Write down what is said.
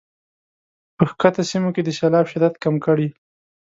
په ښکته سیمو کې د سیلاب شدت کم کړي.